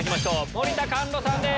森田甘路さんです。